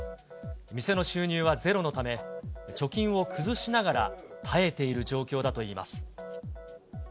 店の収入はゼロのため、貯金を崩しながら耐えている状況だといいます。